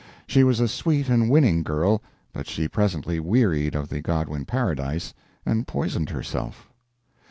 She was a sweet and winning girl, but she presently wearied of the Godwin paradise, and poisoned herself.